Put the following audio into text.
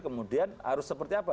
kemudian harus seperti apa